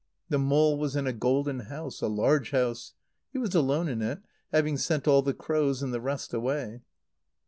The mole was in a golden house a large house. He was alone in it, having sent all the crows and the rest away.